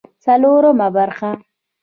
څلورمه برخه